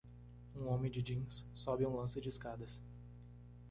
Um homem de jeans sobe um lance de escadas.